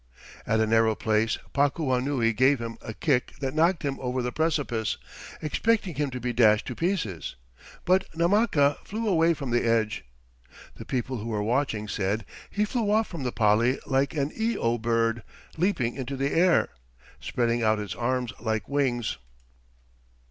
At a narrow place Pakuanui gave him a kick that knocked him over the precipice, expecting him to be dashed to pieces. "But Namaka flew away from the edge.... The people who were watching said, ... He flew off from the Pali like an Io bird, leaping into the air ... spreading out his arms like wings!"